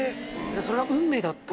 それは運命だった。